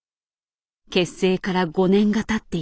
結成から５年がたっていた。